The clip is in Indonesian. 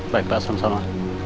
baik pak sama sama